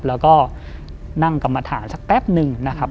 แล้วก็นั่งกรรมฐานสักแป๊บนึงนะครับ